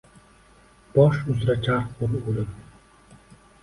Bosh uzra charx ur, Oʼlim!